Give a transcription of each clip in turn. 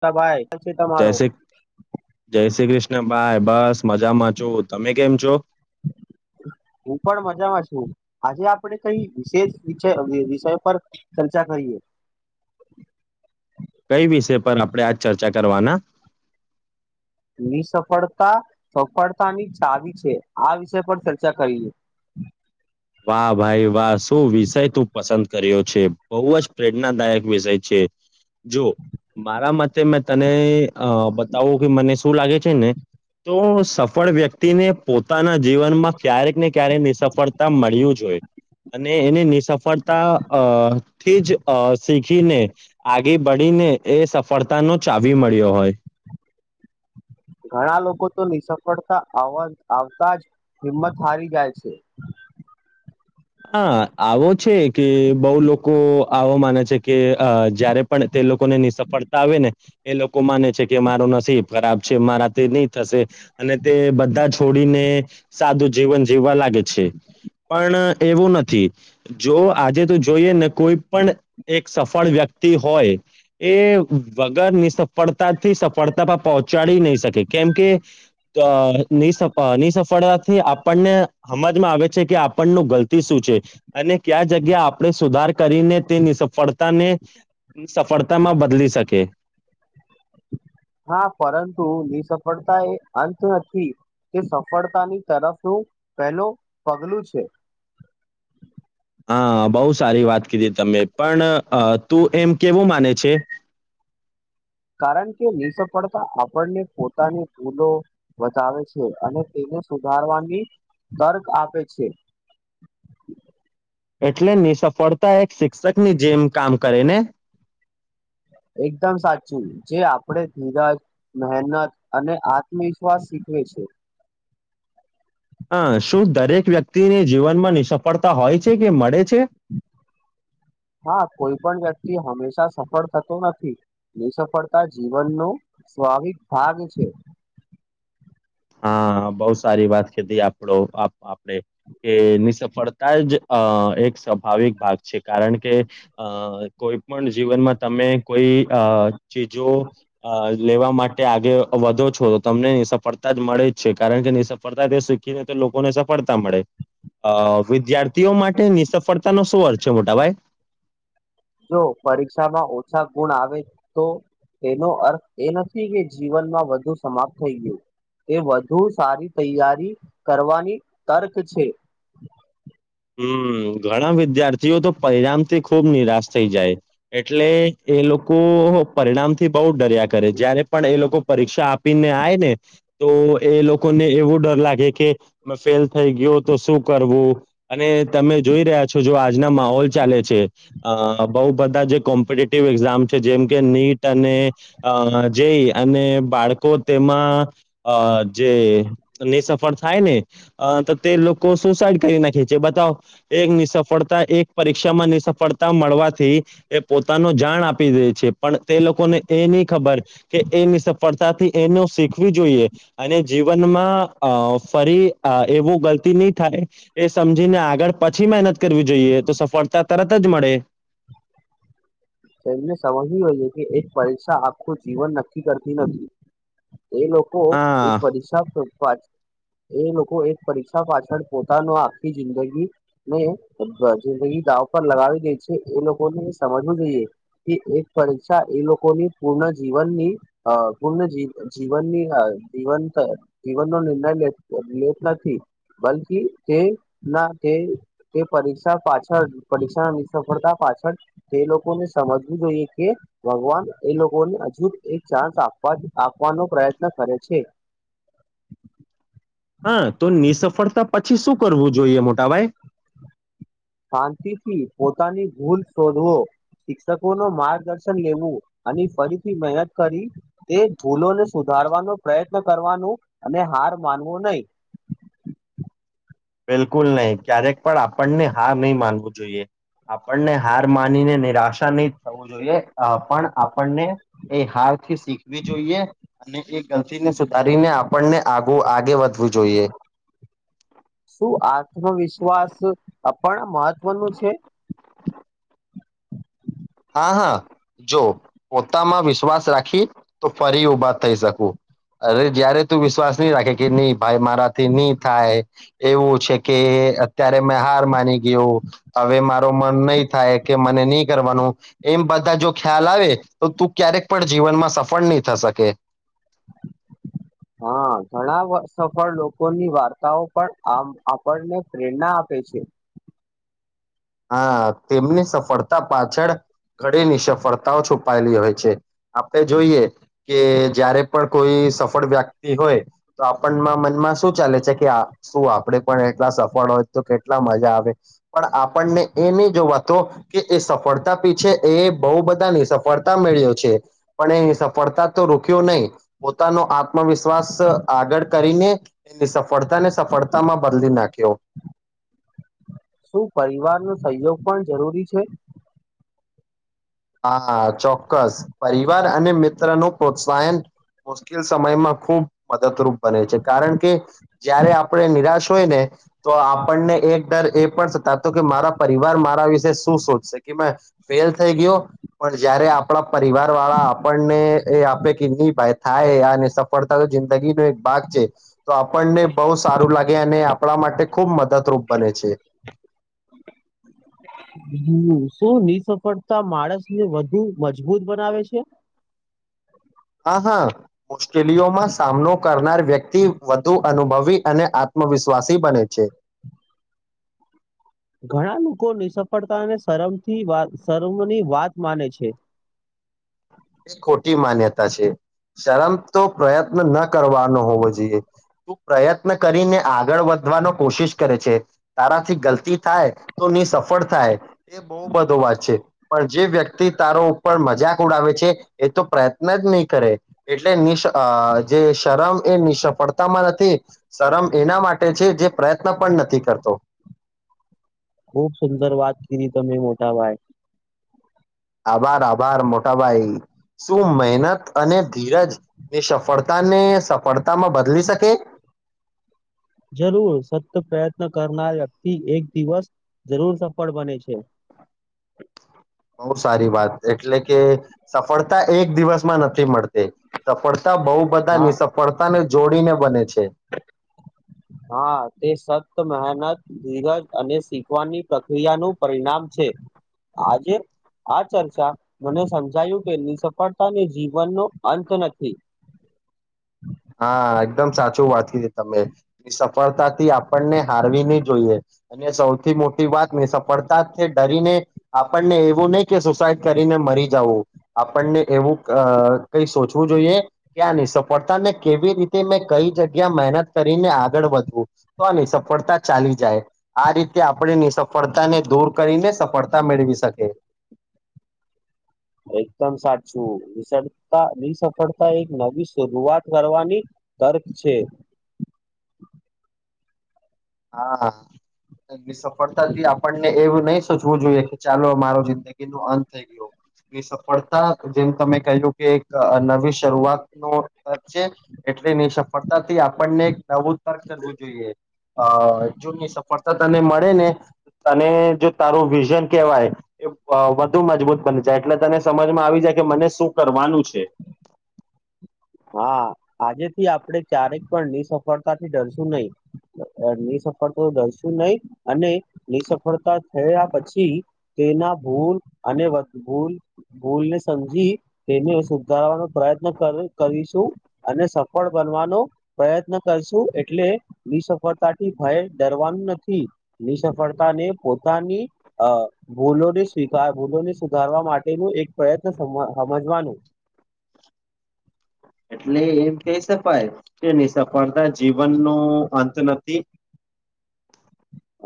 તબાય. જય શ્રી [unintelligible] જય શ્રી કૃષ્ણભાઈ બસ. મજામાં છો તમે કેમ છો હું પણ મજામાં છું આજે આપણે કઈ વિશેષ વિષ વિષયો પર ચર્ચા કરીએ. [inaudible] કઈ વિષય પર આપણે આ ચર્ચા કરવાના. નિસફળતા સફળતાની ચાવી છે આ વિષય પર ચર્ચા કરીએ. હમ. વાહ ભાઈ વાહ શું વિષય તું પસંદ કર્યો છે બહુ જ પ્રેરણાદાયક વિષય છે. જો મારા મતે મેં તને બતાવો કે મને શું લાગે છે ને. તો સફળ વ્યક્તિને, પોતાના જીવનમાં ક્યારેક ને ક્યારેક નિ સફળતા મળ્યું જો હોય અને એની નિસફળતા અ થી જ શીખીને આગે બડીને એ સફળતાનો ચાવી, મળ્યો હોય [unintelligible] [inaudible] [inaudible] ઘણા લોકો તો નિ સફળતા આવતા જ હિંમત હારી, જાય છે. [inaudible] હા, આવો છે, કે બહુ લોકો આવો માને છે. કે જય્યારે પણ લોકો ને નીસફળતા આવે ને એ લોકો માને છે, કે મારો નસીબ ખરાબ છે. મારા તે નહી થશે અને તે બધા છોડીને, સાદુ જીવન જીવવા લાગે છે, પણ એવું નથી જો આજે, તો જોઈએ ને કોઈ પણ એક સફળ વ્યક્તિ હોય એ વગર નિ સફળતા થી સફળતા પર પહોંચાડી નહી, શકે કેમ કે નિ, નિ સફળતાથી આપણને સમજમાં આવે છે, કે આપણનું ગલત શું છે, અને ક્યા જગ્યા આપણે સુધાર કરીને તે. ની સફળતાને સફળતામાં બદલી શકે [inaudible] હા, પરતુ નિ સફળતા એ અંત નથી કે સફળતાની તરફનુ પહેલ પગલું છે. હા, બહુ સારી વાત કીધી તમે પણ તું એમ કેવું માને છે. [inaudible] કારણ કે નિ સફળતા આપણને પોતાની ભૂલો બતાાવે છે, અને તેનેધી ધારવાની તર્ક આપે છે. એટલે નિ સફળતા એક શિક્ષક ની જેમ કામ કરે ને એકદમ સાચું જે આપણેે ધીરજ મહેનત અને આત્મવિશ્વાસ શ વિ છે હ શું દરેક વ્યક્તિને જીવનમા, નિ સફળતા હોય છે, કે મળે છે હા કોઈ પણ જા હમેશા સફળ થતો નથી, નિ સફળતા જીવનનો સ્વાાવિક ભાગ છે. [inaudible] [inaudible] હા, બહુ સારી વાત, કીધી આપડ આપડે કેની સફળતા જ અ એક સ્વાભાવિક ભાગ છે. કારણ કે અ કોઈ પણ જીવનમા, તમે કોઈ ચીજો લેવા માટે આગ વધો છો, તો તમને સફળતા જ મળે જ છે. કારણ કે સફળતા તે શીખીને તો લોકોને સફળતા મળે. અ વિદ્યાર્થીઓ માટેની સફળતા નો શું અર્થ છે, મોટા ભાઈ? જો પરીક્ષામાં ઓછા ગુણ આવે તો એનો અર્થ એ નથી, કે જીવનમાં વધુ સમાપ્ત થઈ ગયુ એ વધુ સારી તૈયારી કરવાની તર્ક છે. હમ, ઘણા વિદ્યાર્થીઓ તો પરિણામથી ખુબ નિરાશ થઈ જાય. એટલે એ લોકો લોકો પરિણામથી બહુ, ડર્યા કરે જ્યારે પણ એ લોકો પરીક્ષા આપીને આ ને તો એ લોકોને એવો ડર લાગે કે ફેલ થઈ ગયો તો શું કરવું? અને તમે જોઈ રહ્યા છો, જો આજના માહોલ ચાલે છે. બહુ બધા જે કોમ્પિટેટિવ એઝામ છે. જેમ કે નીટ અને જે અને બાળકો તેમાં જે ને સફળ થાય, ને તો તે લોકો સુસાઈડ કરી નાખી બતાવ એક નિ સફળતા એક પરીક્ષામાં નિ સફળતા મળવાથી એ પોતાનો જા આપી દે છે. પણ તે લોકોને એ નહી ખબર કે એની સફળતાથી એને શીખવી જોઈએ અને જીવનમાં ફરી એવુ ગલતી નહી, થાય સમજીને આગળ પછી, મહેનત કરવી જોઈએ. તો સફળતા તરત જ મળે. [inaudible] એને સમજવી હોઈએ કે એક પરીક્ષા આખું જીવન નક્કી કરતી નથી. એ લોકો એક હા પરીક્ષાપવા જ એ લોકો એક પરીક્ષા પાછળ પોતાનો આખી જિંદગી, ને જિંદગી પર લગાવી ગઈ છે, એ લોકો ને સમજવું જોઈએ. કે એક પરીક્ષા એ લોકોની પૂર્ણ જીવનની અ પૂર્ણ જ જીવનની જીવન જીવન નો નિર્ણય લેત નથી, બલકી તે પરીક્ષા પાછળ પરીક્ષા સફળતા પાછળ, તે લોકોને સમજવું જોઈએ કે ભગવાન એ લોકોને હજુ એક ચાન્સવા આપવાનો પ્રયત્ન કરે છે. હા તો નિસફળતા પછી શું કરવું જોઈએ મોટાભાઈ? શાંતિથી પોતાની ભૂલ શોધવો. શિક્ષકો ન માર્ગદર્શન લેવું, અને ફરીથી મહેનત કરી તે ભૂલોને સુધાર માવાનો પ્રયત્ન કરવાનું અને હાર માનવો નહી. બિલકુલ નહીં ક્યારેક પણ આપણને હાર નહી માનવું જોઈએ. આપણને હાર માનીને નિરાશા નહી થવું જોઈએ પણ આપણને એ હાર શીખવી જોઈએ, અને એ ગતીને સુધારીને આપણને આગે વધવું જોઈએ. શું આત્મવિશ્વાસણા મહત્વનું છે? હા હા જો પોતામાં વિશ્વાસ રાખી તો ફરી ઉભા થઈ શકું. અરે જયારે તું વિશ્વાસ નહી રાખે કે નહી ભાઈ મારાથી નહી થાય, એવું છે કે અત્યારે મેં હાર માની ગયો, હવે મારો મન નહી થાય કે મને નહી કરવાનું. એમ બધા જો ખ્યાલ આવે, તો તું ક્યારેક પણ જીવનમાં સફળ નહી થ શકે. [inaudible] હા ઘણા સફળ લોકોની વાર્તાઓ પણ આપને પ્રેરણા આપે છે. હા તેમની સફળતા પાછળ ઘડીની સફળતાઓ છુપાયેલી હોય છે. આપણે જોઈએ કે જયારે પણ કોઈ સફળ વ્યક્તિ હોય, તો આપણમાં મનમાં શું ચાલે છે કે શું આપે પણ એટલા સફળ હોય તો કેટલા મજા આવે, પણ આપને એ નહી જોવાતું, તો કે એ સફળતા પીછે એ બહુ બધાની સફળતા મેળ્યો છે. પણ એ સફળતા તો રોક્યો નહી, પોતાનો આત્મવિશ્વાસ આગળ કરીને એની સફળતા ને સફળતામાં બદલી નાખ્યો. શું પરિવારનો સહયોગ પણ જરૂરી છે? હા ચોક્કસ પરિવાર અને મિત્ર નું પ્રોત્સાહન મુશ્કેલ સમયમાં ખુબ મદદરૂપ બને છે કારણ કે, જયારે આપણે નિરાશ હોય ને. તો આપણને એક ડર એ પણ સતા તો કે મારા પરિવાર મારા વિશે શું શોધશે કે મે ફેલ થઈ ગયો. પણ જયારે આપણા પરિવાર વાળા આપણને એ આપે કે નહી ભાઈ થાય અને સફળતા જિંદગીનો એક ભાગ છે. તો આપણને બહુ સારું લાગે અને આપણા માટે ખૂબ મદદરૂપ બને છે. બ [inaudible] શું નિ સફળતા માણસને વધુ મજબૂત બનાવે છે? હા હા મુશ્કેલીઓમાં સામનો કરનાર વ્યક્તિ વધુ અનુભવી અને આત્મવિશ્વાસી બને છે. [inaudible] ઘણા લોકો નિ સફળતાને શરમથી શરમની વાત માને છે. [inaudible] એ ખોટી માન્યતા છે. શરમ તો પ્રયત્ન ન કરવાનો હોવો જોઈએ, તું પ્રયત્ન કરીને આગળ વધ વધ કોશિશ કરે છે, તારાથી ગલતી થાય, તો ની સફળ થાય એ બહ બધો છે, પણ જે વ્યક્તિ તારો ઉપર મજા ઉડાવે છે એ તો પ્રયત્ન જ નહીં કરે, એટલે જે શરમ એ નિશ પડતામાં નથી શમ એના માટે છે જે પ્રયત્ન પણ નથી કરતો. ખુબ સુંદર વાત કીધ તમે મોટા ભાઈ. આભાર આભાર મોટાભાઈ શું મહેનત. અને ધીરજ એ સફળતા ને. પડતામાં બદલી શકે. જરૂર સત પ્રયત્ન કરનાર વ્યક્તિ એક દિવસ જરૂર સફળ બને છે. [inaudible] બઉુ સારી વાત એટલે કે સફળતા એક દિવસમાં નથી મળતી સફળતા બહુ બધા હા ની સફળતા ને જોડીને બને છે હા તે સત મહેનત. ધીરજ અને શીખવાની પ્રક્રિયાનુંું પરિણામ છે આજે. આ ચર્ચા મને સમજાયું કે નિ સફળતાને જીવનનોો અંત નથી. હમ. હા એકદમ સાચું વાત છે તમે સફળતા થી આપણને હારવી નહી જોઈએ. અને સૌથી મોટી વાત ને સફળતાથી ડરીને આપણને એવું નહી કે સુસાઈડ કરીને. મ જ આપને એવું કઈ સોચવું જોઈએ કે ન સફળતા ને. કેવી રીતે મેં કઈ જગ્યા મહેનત કરીને આગળ વધવું તો આની સફળતા ચાલી જાય. આ રીતે આપણેની સફળતા ને દૂર કરીને સફળતા મેળવી શકે. [inaudible] એકદમ સાચુંતા સફળતા એક નવી શરૂઆત કરવાની. તર્ક છે. હા. એ સફળતા થી આપણને એવું નહી સચવું જોઈએ કે ચાલો મારો જિંદગી નો અંત થઈ ગયો. સફળતા જેમ તમે કહ્યું કે એક નવી શરૂઆત ન છે. એટની સફળતાથી આપણને નવું તર્ક કરવું જોઈએ. અ જોની સફળતા તને મળે ને. તને જો તારું વિઝન કહેવાય એ વધુ મજબૂત બને જાય એટલે તને સમજમાં આવી જાય. કે મને શું કરવાનું છે. [inaudible] હા આજે થી આપડે ચારેક પણ નિ સફળતા થી ડરશું નહીિ. નિ સફળતા દશું નહી અને નિ સફળતા થયા પછી.. તેના ભૂલ અને ભૂલ ભૂલને સમજી તેને સુધારવાનો પ્રયત્ન.. મકાાલ.. કરીશું અને સફળ બનવાનો પ્રયત્ન કરશું એટલે બ સફળતાથી.. ભય ડરવાનું નથી ની સફળતા ને પોતાની અ ભૂલોને સ્વીકાર. ભૂલોને સુધારવા માટેનું એક પ્રયત્ન સમજવાનું. એટલે એમ કહી સકાય. એ નની સફળતા જીવન નો અંત નથી.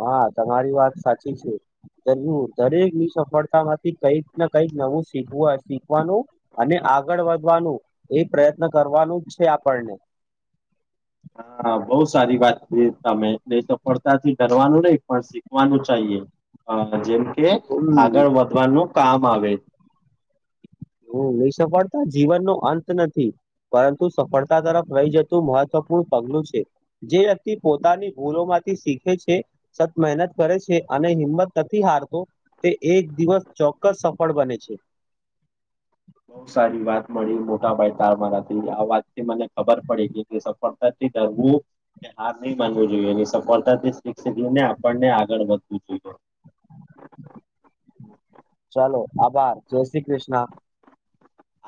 હા તમારી વાત સાચી છે. દરેક ની સફળતા માંથી કઈક કઈક નવુંીખ શીખવાનું અને. આગળ વધવાનું એ પ્રયત્ન કરવાનું જ છે આપણને. હા બહ સારી વાત કરી તમે નહી તો પડતાથી કરવારનું નહીિ પણ શીખવાનું ચાએ. અ જેમ કે હમ આગળ વધવાનું કામ આવે. હ એ સફળતા જીવન નો અંત નથી પરંતુ સફળતા તરફ રહી જતું મહત્વ. પગલું છે જે વ્યક્તિ પોતાની ભૂલો માંથી શીખે છે સત મહેનત કરે છે. અને હિંમત નથી હારતો તે એક દિવસ ચોક્કસ સફળ બને છે. બઉ સારી વાત મળી મોટાભાઈ તાર મારાથી આ વાત થી મને ખબર પડી કે સફળતા. ત હું. હા નહી બનવું જોઈએ એની સફળતાથી શિક્ષને આપણને આગળ વધવું જોઈએ. ચાલો આભાર જય શ્રી કૃષ્ણ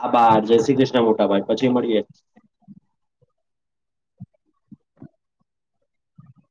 આભાર જય શ્રી કૃષ્ણ મોર્તિ. હા, ભાઈ પછી મળીએ.